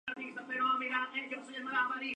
Era militante del Partido Liberal.